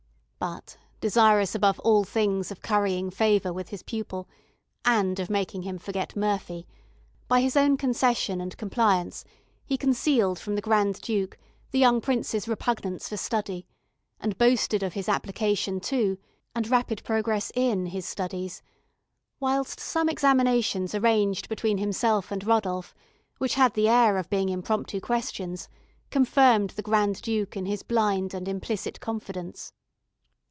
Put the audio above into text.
But, desirous above all things of currying favour with his pupil, and of making him forget Murphy, by his own concession and compliance, he concealed from the Grand Duke the young prince's repugnance for study, and boasted of his application to, and rapid progress in, his studies; whilst some examinations arranged between himself and Rodolph, which had the air of being impromptu questions, confirmed the Grand Duke in his blind and implicit confidence.